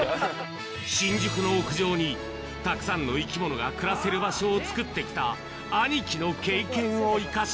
新宿の屋上にたくさんの生き物が暮らせる場所を作ってきた兄貴の経験を生かし。